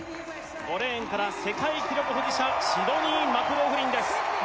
５レーンから世界記録保持者シドニー・マクローフリンです